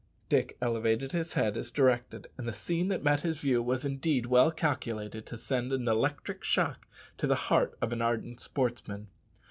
Dick elevated his head as directed, and the scene that met his view was indeed well calculated to send an electric shock to the heart of an ardent sportsman.